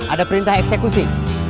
ada perintah eksekusi